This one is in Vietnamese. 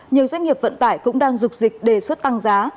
nhiều doanh nghiệp vận tải cũng đang dục dịch đề xuất tăng giá